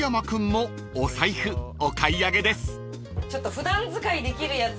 普段使いできるやつ。